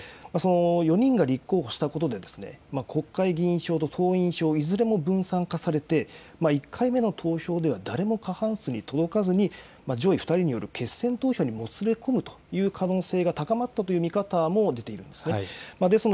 ４人が立候補したことで、国会議員票と党員票、いずれも分散化されて、１回目の投票では誰も過半数に届かずに、上位２人による決選投票にもつれ込むという可能性が高まったという見方も出ているんですね。